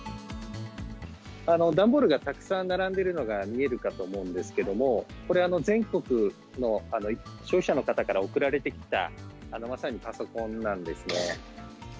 段ボールがたくさん並んでいるのが見えるかと思うんですけども、これ、全国の消費者の方から送られてきた、まさにパソコンなんですね。